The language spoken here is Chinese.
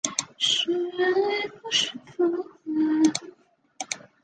最后发现霍尔德的侄女玛丽才是偷宝物的真凶。